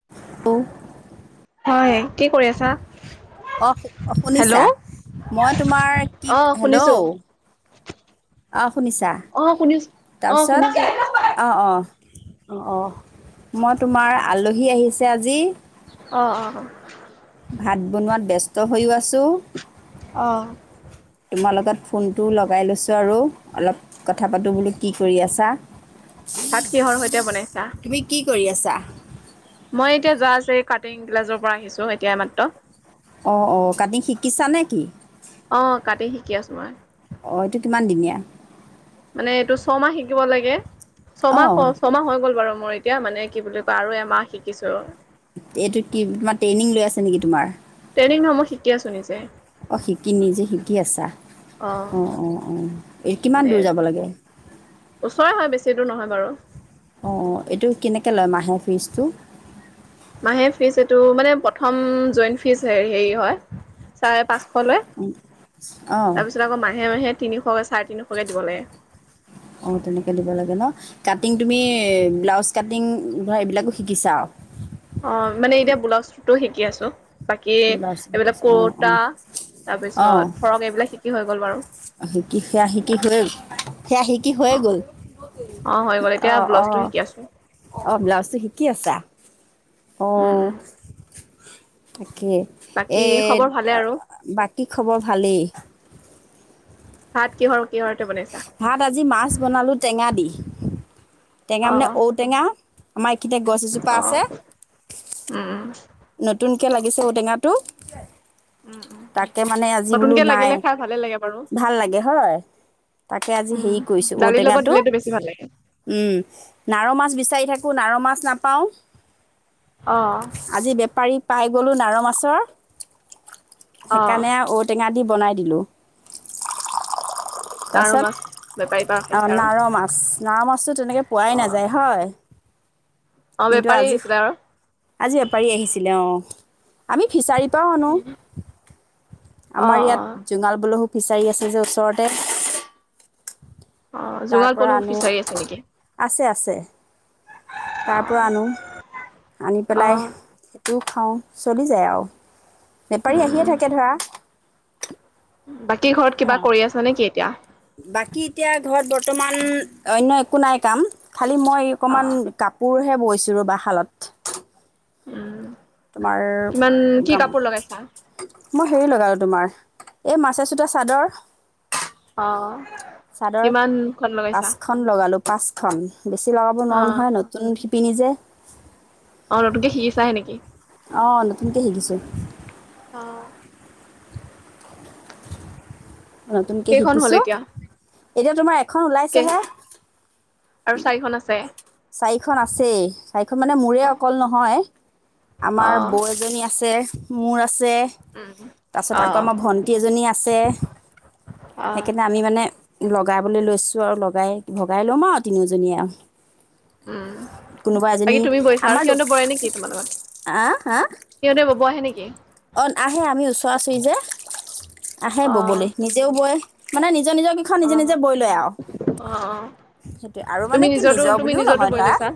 [inaudible] হয়, কি কৰি আছা? অ', অ', শুনিছা? হেল্ল' মই তোমাৰ কি অ হেল্ল'। শুনিছো অ', শুনিছা, অ শুনিছো অ শুনিছো তাৰপিছত? অ', অ', অ', অ', মই তোমাৰ আলহী আহিছে আজি। অ', অ'। ভাত বনোৱাত ব্যস্ত হৈও আছোঁ। অ'। তোমাৰ লগত ফোনটো লগাই লৈছো আৰু অলপ কথা পাতো বোলো, কি কৰি আছা? ভাত কিহৰ সৈতে বনাইছা? তুমি কি কৰি আছা? মই এতিয়া জাষ্ট এই কাটিং ক্লাছৰ পৰা আহিছো এতিয়া এই মাত্ৰ। অ অ কাটিং শিকিছা নে কি? অ কাটিং শিকি আছো মই। অ এইটো কিমান দিনীয়া? মানে এইটো ছমাহ শিকিব লাগে, অ ছমাহ ক ছমাহ হৈ গ'ল বাৰু মোৰ ইত তিয়া মানে কি বুলি কয় আৰু এমাহ শিকিছো। এইটো কি তোমাৰ ট্ৰেইনিং লৈ আছে নেকি তোমাৰ? ট্ৰেইনিং নহয় মই শিকি আছো নিজে। অ শিকি নিজে শিকি আছা। অ অ অ কিমান মানে দূৰ যাব লাগে? ওচৰে হয় বেছি দূৰ নহয় বাৰু। অ এইটো কেনেকে লয় মাহে ফিজটো? মাহে ফিজ এইটো মানে প্ৰথম জইন ফিজ হেৰী হয়। চাৰে পাঁচশ লয়। উম, অঁ তাৰপিছত আকৌ মাহে মাহে তিনিশকৈ চাৰে তিনিশকৈ দিব লাগে। অ তেনেকে দিব লাগে ন কাটিং তুমি ব্লাউজ কাটিং ধৰা এইবিলাকো শিকিছা আও? অ মানে এতিয়া ব্লাউজটোতো শিকি আছো। বাকী ব্লাউজ এইবিলাক শিকিছা অঁ কুৰ্তা অঁ অঁ তাৰপিছত ফ্ৰক এইবিলাক শিকি হৈ গ'ল বাৰু। শিকি সেয়া শিকি হৈ সেয়া শিকি হৈয়ে গ'ল? অ হৈ গ'ল এতিয়া ব্লাউজটো শিকি আছো। অ ব্লাউজটো শিকি আছা, উম, অহ। উম। তাকে এ বাকী খবৰ ভালে আৰু বাকী খবৰ ভালেই? ভাত কিহৰ কিহৰ সৈতে বনাই ভাত আজি মাছ বনালো টেঙা দি। টেঙা মানে অঁ ঔ টেঙা আমাৰ এইখিনিতে গছ এজোপা অঁ আছে। নতুনকৈ লাগিছে ঔ টেঙাটো। তাকে মানে আজি বোলো নতুনকে নাই লাগিলে খাই ভালে লাগে বাৰু ভাল লাগে হয়। তাকে আজি উম, হেৰি কৰিছো ঔ দালিৰ লগত টেঙাটো। দিলেতো বেছি ভাল লাগে উম নাৰ মাছ বিচাৰি থাকো নাৰ মাছ নাপাওঁ। অ। আজি বেপাৰী পাই গ'লো নাৰ মাছৰ অঁ সেইকাৰণে ঔটেঙা দি বনাই দিলো। নাৰ মাছ বে অ নাৰ মাছ নাৰ মাছতো তেনেকে পোৱাই অঁ নাযায় হয়। অঁ কিন্তু বেপাৰী আজি আহিছিলে আৰু আজি এপাৰি আহিছিলে অ আমি ফিচাৰিত ত নো অঁ আমাৰ ইয়াত অঁ জোঙাল বোলোহু ফিচাৰী আছে যে ওচৰতে। অ' তাৰ জোঙাল পৰা পলু আনো ফিচাৰী আছে নেকি? আছে আছে। তাৰ অ' পৰা আনো, আনি পেলাই অ' দু খাওঁ, চলি যায় আও, বেপাৰী আহিয়ে উম, থাকে ধৰা বাকী ঘৰত সেয়া কিবা আৰু। কৰি আছা নেকি এতিয়া? বাকী এতিয়া ঘৰত বৰ্তমান অন্য একো নাই কাম। খালী মই অকণমান অ' কাপোৰহে বৈছো ৰবা শালত। উম তোমাৰ কিমান কি গামো কাপোৰ লগাইছা? মই হেৰি লগালো তোমাৰ এই মাৰচাজ সূতা চাদৰ। অ কিমান খন লগাইছা? খন লগালোঁ পাঁচখন। বেছি লগাব নোৱাৰোঁ অ' নহয়, নতুন শিপিনী যে অ নতুনকে শিকিছাহে নেকি? অঁ নতুনকে শিকিছো। অঁ নতুনকে কেইখন হ'ল শিকিছো। এতিয়া? এতিয়া তোমাৰ এ খন কে ওলাইছেহে, আৰু চাৰিখন আছে চাৰিখন আছেই। চাৰিখন মানে মোৰে অ' অকল নহয়, আমাৰ অ' বৌ এজনী আছে, মোৰ আছে। উম। তাৰ পিছত আকৌ অ' আমাৰ ভন্টি এজনী আছে অ' সেইকাৰণে আমি মানে লগাবলৈ লৈছোঁ আৰু লগাই ভগাই লম আৰু তিনিওজনীয়ে আৰু। উম, কোনোবা এজনী আমাৰ দু নাই নেকি তোমালোকৰ হা হা? সিহঁতে বব আহে নেকি? অ আহে আমি ওচৰা ওচৰি যে! আহে অ' ববলৈ। নিজেও বয়, মানে নিজৰ নিজৰ এখন অ' নিজে নিজে অ' বৈ লয় আৰু। অ' সেইটোয়ে আৰু মানে তুমি কি নিজৰটো নিজৰ তুমি বুলিও নিজৰটো নহয় বৈ ধৰা, লৈছা?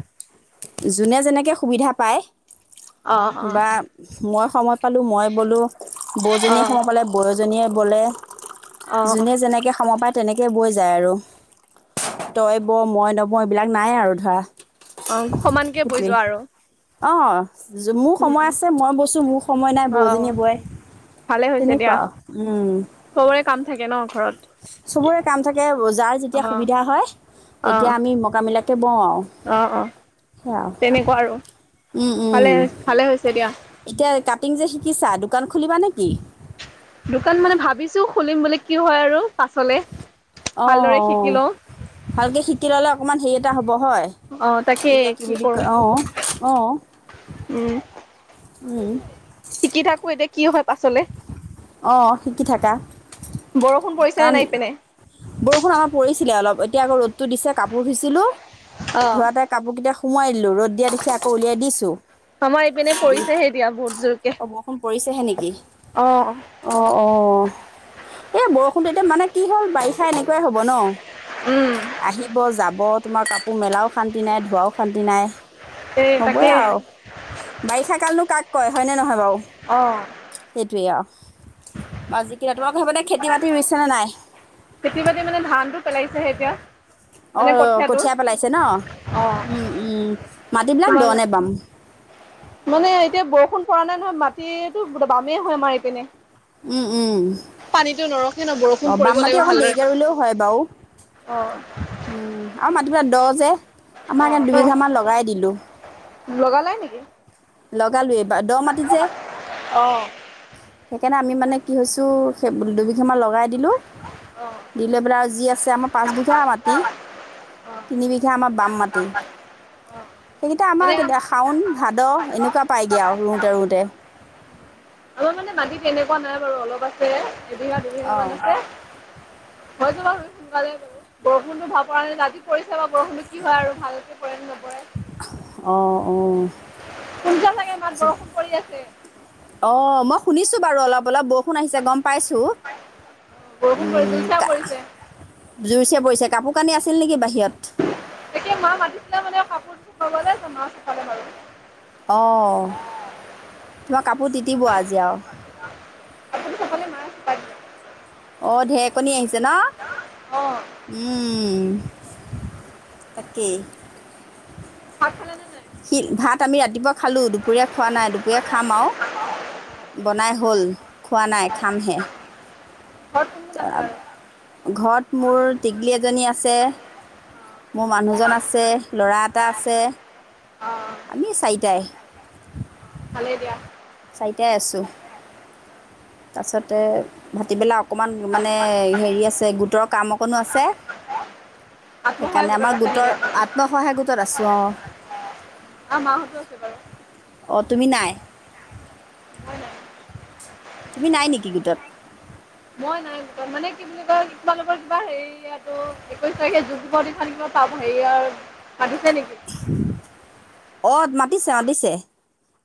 যোনে যেনেকে সুবিধা পায় অ' অ' বা মই সময় পালোঁ মই বলো, অ বৌজনীয়ে সময় পালে বৌজনীয়ে বলে। অ যোনে যেনেকে সময় পায়, তেনেকে বৈ যায় আৰু। তই ব, মই নবও, এইবিলাক নাই আৰু ধৰা। অ সমানকে বৈ সেইটোৱেই। যোৱা আৰু অ মোৰ সময় আছে মই বইছো মোৰ স সময় নাই অ বৌজনীয়ে বয় ভালে হৈছে তেনেকুৱা দিয়া। আৰু চবৰে কাম থাকে ন ঘৰত! চবৰে কাম থাকে, যাৰ অ যেতিয়া সুবিধা হয় তেতিয়া আমি মকামিলাকে বওঁ আৰু। অঁ অঁ সেয়া আৰু তেনেকুৱা আৰু। উম উম ভালে, ভালে হৈছে দিয়া। এতিয়া কাটিং যে শিকিছা, দোকান খুলিবা নে কি? দোকান মানে ভাবিছোঁ খুলিম বুলি, কি হয় আৰু পাছলে অঁ ভালদৰে অঁ শিকি লওঁ ভালকে শিকি ল'লে অকণমান হেৰি এটা হ'ব হয়। অ তাকে এয়া কি বুলি ক কৰো অহ অহ উম উম শিকি থাকো এতিয়া কি হয় পাছলে। অঁ শিকি থাকা। বৰষুণ পৰিছে নে কাৰণ নাই পিনে বৰষুণ আমাৰ পৰিছিলে অলপ এতিয়া আকৌ ৰ'দটো দিছে, কাপোৰ ধুইছিলো, অ ধোৱাতে কাপোৰকেইটা সুমোৱাই দিলোঁ ৰ'দ দিয়া দেখি আকৌ উলিয়াই দিছোঁ। আমাৰ এইপিনে পৰিছেহে এতিয়া বহুত জোৰকে। অ' বৰষুণ পৰিছেহে নেকি? অ অ অ এ বৰষুণটো এতিয়া মানে কি হ'ল বাৰিষা এনেকুৱাই হ'ব ন। উম আহিব, যাব। তোমাৰ কাপোৰ মেলাও শান্তি নাই, ধোৱাও শান্তি নাই। এই হবয়ে তাকে আৰু বাৰিষা কালনো কাক কয় হয়নে নহয় বাৰু? অ সেইটোৱে অহ আৰু তোমাক খেতি বাতি ৰুইছে নে নাই? খেতি বাতি মানে ধানটো পেলাইছেহে এতিয়া। মানে অ' কঠীয়াটো কঠীয়া পেলাইছে ন' অ উম উম, মাটি বিলাক তোমাল দ' নে বাম? মানে এতিয়া বৰষুণ পৰা নাই নহয় মাটি এতো বামেই হয় আমাৰ পিনে। উম উম। পানীটো নৰখে ন' বৰষুণ অ' বাম পৰিব মাটি লাগিব অকণ ভালদৰে। দেৰিকৈ ৰুলেও হয় বাৰু উম আৰু মাটি বিলাক দ' যে আমাৰ ইয়াত দুবিঘামান লগাই দিলো। লগালাই নেকি? লগালোৱে এবাৰ দ' মাটি যে। অ সেইকাৰণে আমি মানে কি হৈছো সেই বোল [unintelligible] গা মান লগাই দিলো, অ দিলৈ পেলাই আও যি আছে আমাৰ পাঁচ আও বিঘা মাটি। অ তিনিবিঘা আমাৰ বাম মাটি। সেইকেইটা আমাৰ কেতিয়া শাওন ভাদ এনেকোৱা পায়গে আও ৰুওঁতে ৰুওঁতে। আমাৰ মানে মাটি এনেকুৱা নাই বাৰু অলপ আছে, এবিঘা দুবিঘা মান অঁ আছে। হৈ যাব ৰুই সোনকালে বাৰু, বৰষুণটো ভাল পৰা নাই ৰাতি পৰিছে বাৰু বৰষুণটো কি হয় আৰু ভাল পৰেনে ন'পৰে অঁ অঁ। শুনিচা চাগে মাত বৰষুণ পৰি আছে। অ' মই শুনিছো বাৰু অলপ অলপ ব ষুণ আহিছে গ'ম পাইছো, বৰষুণ পৰি উম। জুই-চাই পৰিছে। জোৰছে পৰিছে, কাপোৰ কানি আছিল নেকি বাহিৰত? এতিয়া মা মাতিছিলে মানে কাপোৰ ছপাবলে ত' মা চপালে বাৰু। অঁ তোমাৰ কাপোৰ তিতিব আজি আও কাপোৰ চপালে মায়ে চপাই দিলে। অ' ঢেৰেকণী আহিছে ন'? অ', উম তাকেই। ভাত খাল নে নাই? সি ভাত আমি ৰাতিপুৱা খালোঁ, দুপৰীয়া খোৱা নাই, দুপৰীয়া খাম আও। বনাই হ'ল, খোৱা নাই খামহে। ঘৰত কোন কোন আছে তাপ আৰু? ঘৰত মোৰ টিকলী এজনী আছে। মোৰ মানুহজন আছে, ল'ৰা এটা আছে, অ', আমি চাৰিটাই। ভালেই দিয়া। চাৰিটাই আছোঁ, তাপিছতে ভাতিবেলা অকণমান মানে হেৰি আছে, গোটৰ কাম অকণো আছে। আত্মসহায়ক সেইকাৰণে গোটত আমাৰ আছে নেকি গোটৰ আপোনালোক? আত্মসহায় গোটত আছো অঁ। আমা মাহঁতো আছে বাৰু। অঁ তুমি নাই? মই নাই। তুমি নাই নেকি গোটত? মই নাই গোটত মানে কি কি বুলি কয় তোমালোকৰ কিবা হেৰিয়াতো একৈশ তাৰিখে যুগ দিবসৰ দিনা খন কিবা পাম হেৰিয়াৰ মাটিচে নেকি? [inaudible] অত মাতিছে মাতিছে,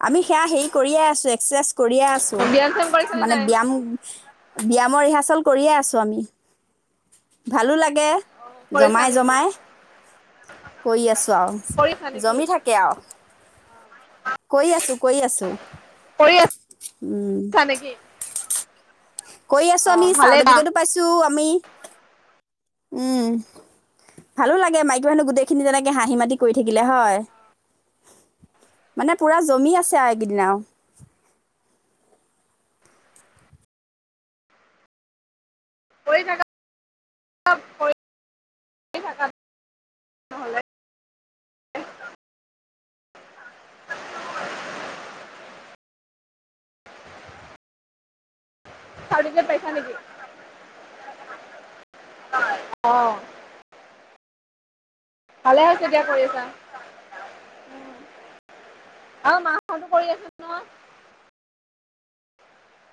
আমি সেয়া হেৰি কৰিয়ে আছো এক্সাৰচাইজ কৰিয়ে ছো ব্যায়াম-চ্যাম কৰিছা নে মানে নাই? ব্যাম ব্যায়াম ৰিহাৰ্চেল কৰিয়ে আছো আমি, ভালো লাগে। কৰিছা জমাই নেকি? জমাই কৰি আছো আও কৰিছা নেকি? জমি থাক কিয় কৰি আছো কৰি আছো। পঢ়ি উম আছা নেকি? কৰি আছো আমি অ', ভালেই দা। চাৰ্টিফিকেতো পাইছো আমি। উম ভালো লাগে মাইকী মানুহ গোটেইখিনি যেনেকে হাঁহি মাতি কৰি থাকিলে হয়। মানে পূৰা জমি আছে আৰু এইকেইদিনা আৰু, কৰি থাকা কৰি থাকা। নহ'লে চাৰটিফিকেট পাইছা নেকি? অ ভালে হৈছে দিয়া কৰি আছা। আৰু মা হতো কৰি আছে নহয়।